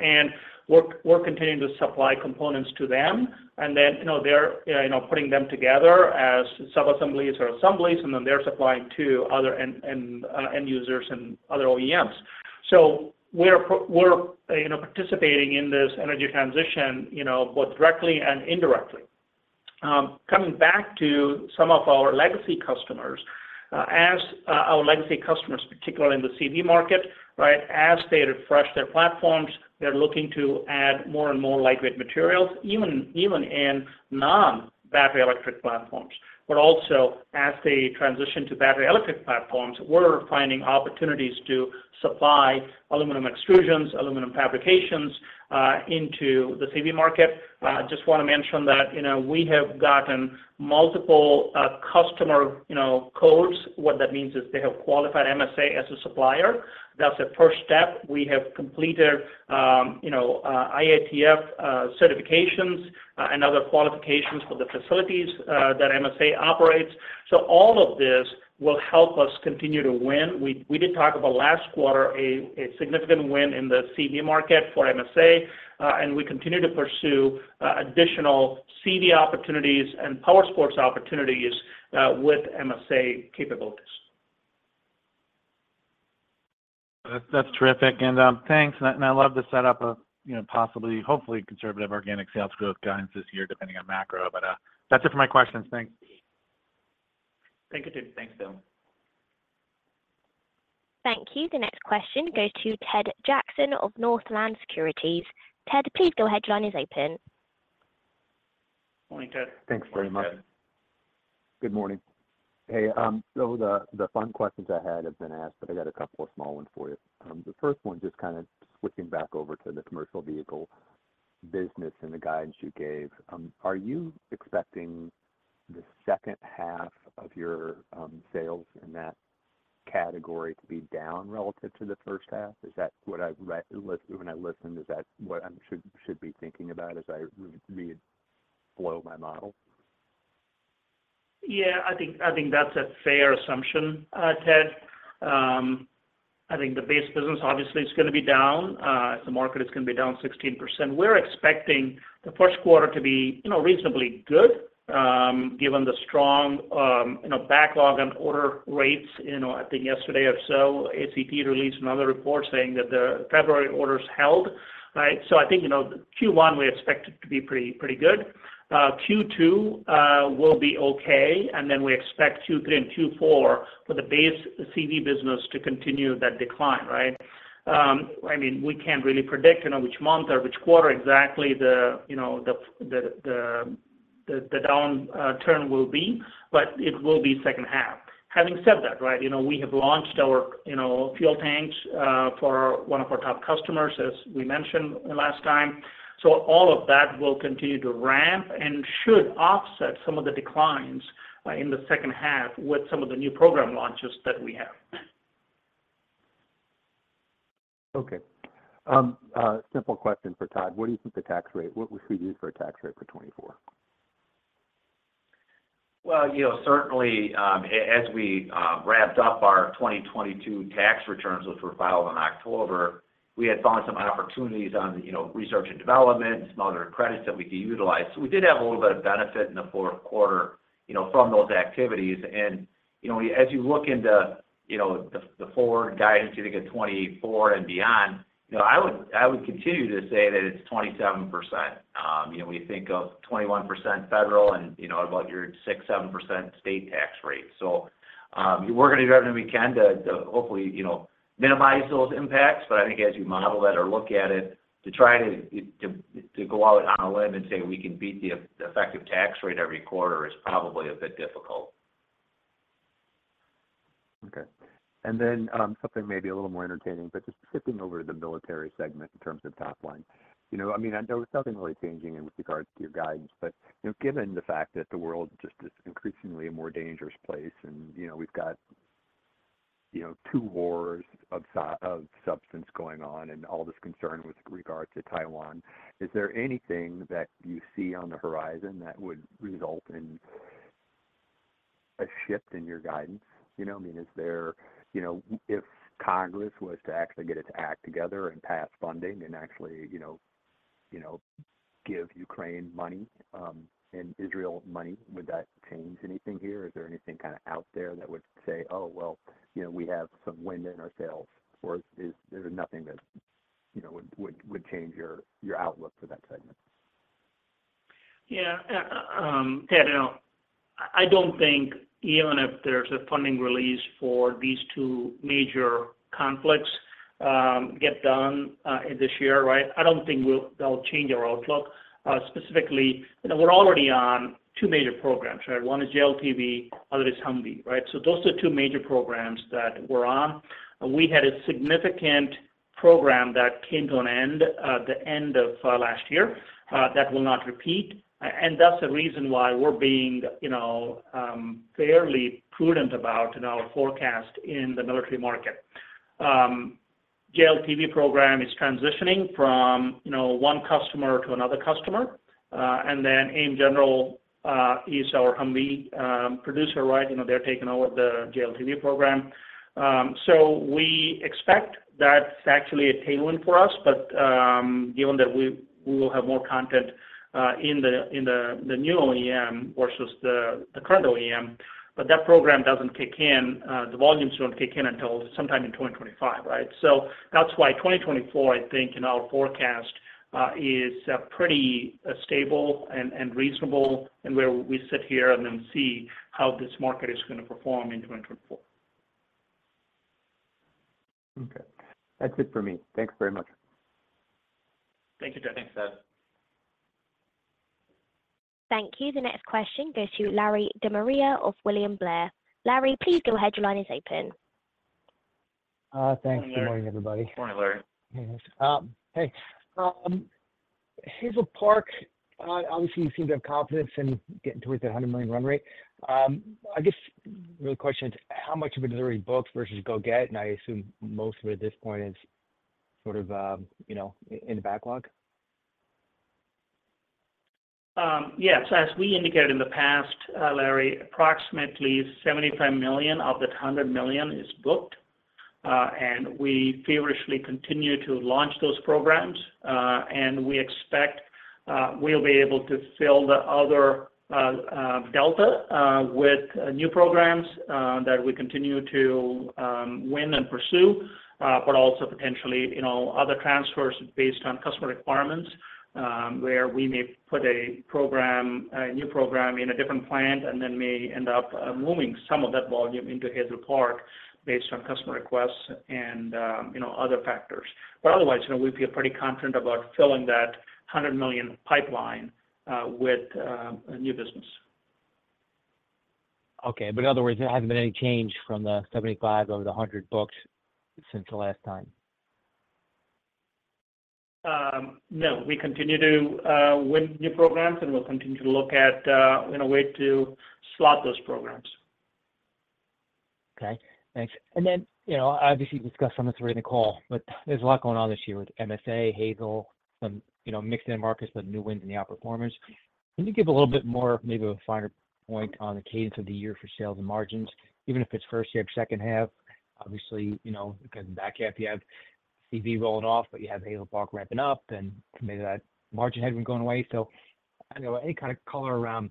And we're continuing to supply components to them, and then, you know, they're, you know, putting them together as sub assemblies or assemblies, and then they're supplying to other end users and other OEMs. So we're, you know, participating in this energy transition, you know, both directly and indirectly. Coming back to some of our legacy customers, as our legacy customers, particularly in the CV market, right, as they refresh their platforms, they're looking to add more and more lightweight materials, even in non-battery electric platforms. But also, as they transition to battery electric platforms, we're finding opportunities to supply aluminum extrusions, aluminum fabrications into the CV market. Just wanna mention that, you know, we have gotten multiple, customer, you know, codes. What that means is they have qualified MSA as a supplier. That's a first step. We have completed, you know, IATF, certifications, and other qualifications for the facilities, that MSA operates. So all of this will help us continue to win. We did talk about last quarter, a significant win in the CV market for MSA, and we continue to pursue, additional CV opportunities and powersports opportunities, with MSA capabilities. That's terrific, and thanks. And I love the set up of, you know, possibly, hopefully, conservative organic sales growth guidance this year, depending on MECro. But that's it for my questions. Thanks. Thank you, Tim. Thanks, Tim. Thank you. The next question goes to Ted Jackson of Northland Securities. Ted, please go ahead, your line is open. Morning, Ted. Thanks very much. Good morning. Hey, so the fun questions I had have been asked, but I got a couple of small ones for you. The first one, just kind of switching back over to the commercial vehicle business and the guidance you gave. Are you expecting the second half of your sales in that category to be down relative to the first half? Is that what I read—when I listened, is that what I should be thinking about as I reflow my model? Yeah, I think, I think that's a fair assumption, Ted. I think the base business obviously is gonna be down, the market is gonna be down 16%. We're expecting the first quarter to be, you know, reasonably good, given the strong, you know, backlog on order rates. You know, I think yesterday or so, ACT released another report saying that the February orders held, right? So I think, you know, Q1, we expect it to be pretty, pretty good. Q2 will be okay, and then we expect Q3 and Q4 for the base CV business to continue that decline, right? I mean, we can't really predict, you know, which month or which quarter exactly the, you know, the downturn will be, but it will be second half. Having said that, right, you know, we have launched our, you know, fuel tanks for one of our top customers, as we mentioned last time. So all of that will continue to ramp and should offset some of the declines in the second half with some of the new program launches that we have. Okay. A simple question for Todd. What do you think the tax rate-- what would we use for a tax rate for 2024? Well, you know, certainly, as we wrapped up our 2022 tax returns, which were filed in October, we had found some opportunities on, you know, research and development and some other credits that we could utilize. So we did have a little bit of benefit in the fourth quarter, you know, from those activities. And, you know, as you look into, you know, the, the forward guidance, you think of 2024 and beyond, you know, I would, I would continue to say that it's 27%. You know, when you think of 21% federal and, you know, about 6%-7% state tax rate. So, we're going to do everything we can to, to hopefully, you know, minimize those impacts. But I think as you model that or look at it, to try to go out on a limb and say we can beat the effective tax rate every quarter is probably a bit difficult. Okay. And then, something maybe a little more entertaining, but just skipping over to the military segment in terms of top line. You know, I mean, there was nothing really changing in with regards to your guidance, but, you know, given the fact that the world just is increasingly a more dangerous place, and, you know, we've got, you know, two wars of of substance going on and all this concern with regard to Taiwan, is there anything that you see on the horizon that would result in a shift in your guidance? You know, I mean, is there, you know, if Congress was to actually get its act together and pass funding and actually, you know, you know, give Ukraine money, and Israel money, would that change anything here? Is there anything out there that would say, oh, well, you know, we have some wind in our sails, or there's nothing that, you know, would change your outlook for that segment? Yeah, Ted, you know, I don't think even if there's a funding release for these two major conflicts get done this year, right? I don't think that'll change our outlook. Specifically, you know, we're already on two major programs, right? One is JLTV, other is Humvee, right? So those are two major programs that we're on. We had a significant program that came to an end the end of last year. That will not repeat, and that's the reason why we're being, you know, fairly prudent about in our forecast in the military market. JLTV program is transitioning from, you know, one customer to another customer, and then AM General is our Humvee producer, right? You know, they're taking over the JLTV program. So we expect that's actually a tailwind for us, but, given that we, we will have more content, in the, in the, the new OEM versus the, the current OEM, but that program doesn't kick in, the volumes don't kick in until sometime in 2025, right? So that's why 2024, I think, in our forecast, is, pretty, stable and, and reasonable, and where we sit here and then see how this market is gonna perform in 2024. Okay. That's it for me. Thanks very much. Thank you, Ted. Thanks, Ted. Thank you. The next question goes to Larry De Maria of William Blair. Larry, please go ahead. Your line is open. Thanks. Good morning, everybody. Good morning, Larry. Hey, Hazel Park, obviously, you seem to have confidence in getting towards the $100 million run rate. I guess the question is, how much of it is already booked versus go get? I assume most of it at this point is sort of, you know, in the backlog. Yes, as we indicated in the past, Larry, approximately $75 million of the $100 million is booked. And we feverishly continue to launch those programs, and we expect we'll be able to fill the other delta with new programs that we continue to win and pursue, but also potentially, you know, other transfers based on customer requirements, where we may put a program, a new program in a different plant and then may end up moving some of that volume into Hazel Park based on customer requests and, you know, other factors. But otherwise, you know, we feel pretty confident about filling that $100 million pipeline with new business. Okay. But in other words, there hasn't been any change from the $75 million over the $100 million booked since the last time? No, we continue to win new programs, and we'll continue to look at, you know, a way to slot those programs. Okay, thanks. And then, you know, obviously, you discussed some of this during the call, but there's a lot going on this year with MSA, Hazel Park, some, you know, mixed in markets, the new wins, and the outperformance. Can you give a little bit more, maybe a finer point on the cadence of the year for sales and margins, even if it's first half, second half? Obviously, you know, because in the back half you have CV rolling off, but you have Hazel Park ramping up, and maybe that margin headroom going away. So I don't know, any kind of color around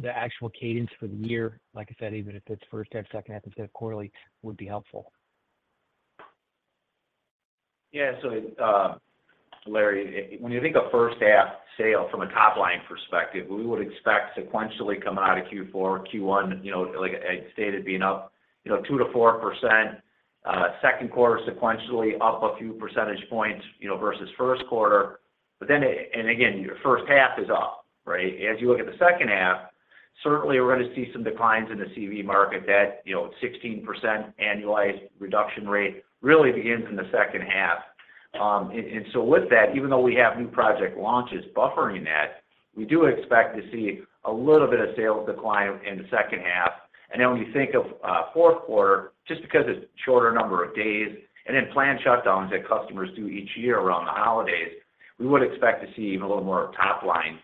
the actual cadence for the year, like I said, even if it's first half, second half, instead of quarterly, would be helpful. Yeah. So, Larry, when you think of first half sales from a top-line perspective, we would expect sequentially coming out of Q4 or Q1, you know, like I stated, being up, you know, 2%-4%, second quarter sequentially up a few percentage points, you know, versus first quarter. But then, and again, your first half is up, right? As you look at the second half, certainly we're going to see some declines in the CV market that, you know, 16% annualized reduction rate really begins in the second half. And so with that, even though we have new project launches buffering that, we do expect to see a little bit of sales decline in the second half. And then when you think of fourth quarter, just because it's a shorter number of days and then plant shutdowns that customers do each year around the holidays, we would expect to see even a little more top-line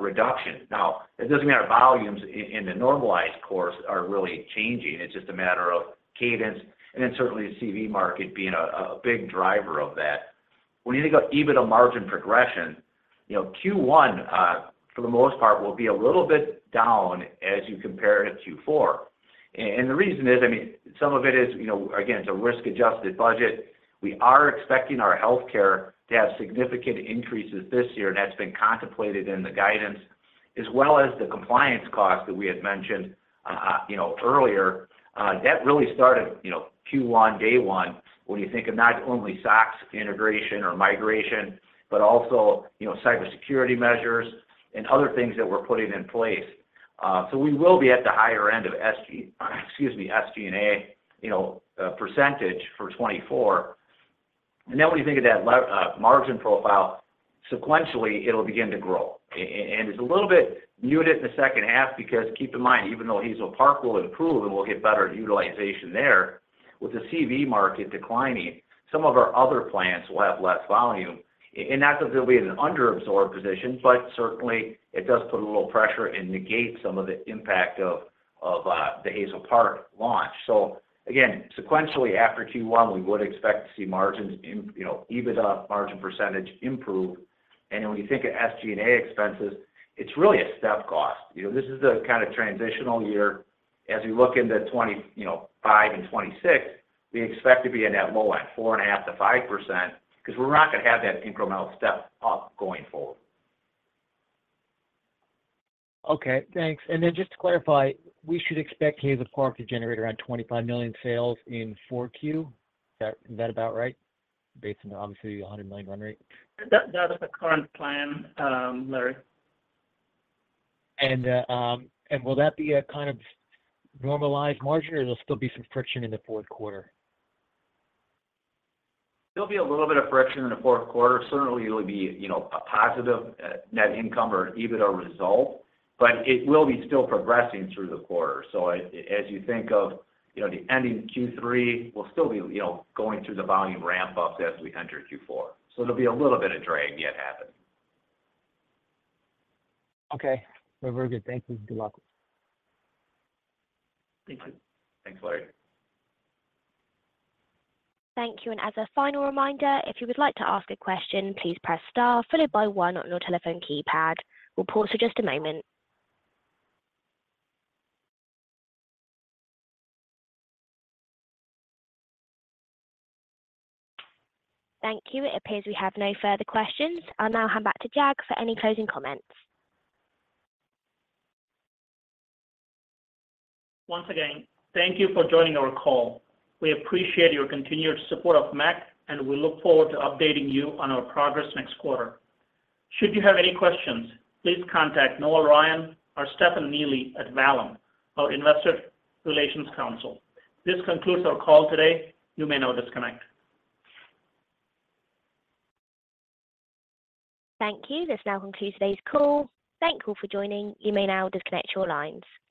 reduction. Now, it doesn't mean our volumes in the normalized course are really changing. It's just a matter of cadence and then certainly the CV market being a big driver of that. When you think of EBITDA margin progression, you know, Q1 for the most part, will be a little bit down as you compare it to Q4. And the reason is, I mean, some of it is, you know, again, it's a risk-adjusted budget. We are expecting our healthcare to have significant increases this year, and that's been contemplated in the guidance, as well as the compliance costs that we had mentioned, you know, earlier. That really started, you know, Q1, day one, when you think of not only SOX integration or migration, but also, you know, cybersecurity measures and other things that we're putting in place. So we will be at the higher end of SG&A, you know, percentage for 2024. And then when you think of that margin profile, sequentially, it'll begin to grow. And it's a little bit muted in the second half because keep in mind, even though Hazel Park will improve and we'll get better utilization there, with the CV market declining, some of our other plants will have less volume. Not that they'll be in an under-absorbed position, but certainly it does put a little pressure and negate some of the impact of the Hazel Park launch. So again, sequentially, after Q1, we would expect to see margins improve, you know, EBITDA margin percentage improve. And then when you think of SG&A expenses, it's really a step cost. You know, this is the kind of transitional year. As we look into 2025 and 2026, we expect to be in that low at 4.5%-5% because we're not going to have that incremental step up going forward. Okay, thanks. And then just to clarify, we should expect Hazel Park to generate around $25 million sales in Q4. Is that, is that about right, based on obviously the $100 million run rate? That, that is the current plan, Larry. And will that be a kind of normalized margin, or there'll still be some friction in the fourth quarter? There'll be a little bit of friction in the fourth quarter. Certainly, it'll be, you know, a positive net income or EBITDA result, but it will be still progressing through the quarter. So as you think of, you know, the ending Q3, we'll still be, you know, going through the volume ramp-up as we enter Q4. So there'll be a little bit of drag yet happen. Okay. Very good. Thank you. Good luck. Thank you. Thanks, Larry. Thank you, and as a final reminder, if you would like to ask a question, please press Star followed by one on your telephone keypad. We'll pause for just a moment. Thank you. It appears we have no further questions. I'll now hand back to Jag for any closing comments. Once again, thank you for joining our call. We appreciate your continued support of MEC, and we look forward to updating you on our progress next quarter. Should you have any questions, please contact Noel Ryan or Stefan Neely at Vallum Advisors, our investor relations counsel. This concludes our call today. You may now disconnect. Thank you. This now concludes today's call. Thank you for joining. You may now disconnect your lines.